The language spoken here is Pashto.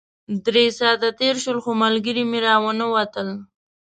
درې ساعته تېر شول خو ملګري مې راونه وتل.